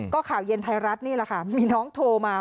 ก็ข่าวเย็นไทยรัฐนี่แหละค่ะมีน้องโทรมา